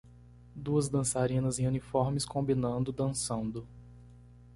Duas dançarinas em uniformes combinando dançando.